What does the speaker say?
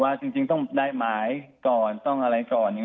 จริงต้องได้หมายก่อนต้องอะไรก่อน